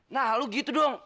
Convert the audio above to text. nah lo gitu dong